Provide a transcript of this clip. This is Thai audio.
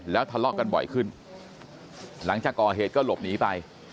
แล้วทะเลาะกันบ่อยขึ้นหลังจากก่อเหตุก็หลบหนีไป